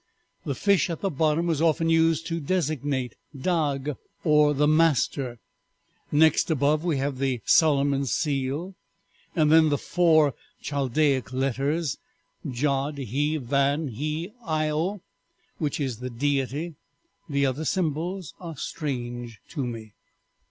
The fish at the bottom was often used to designate 'Dag,' or the master; next above we have the Solomon's seal, then the four Chaldaic letters Jod He Van He Iaho, which is 'The Deity;' the other symbols are strange to me."